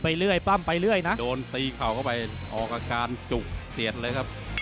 ปั้มรัดโดนตีเขาเข้าไปออกกับการจุกเสียดเลยครับ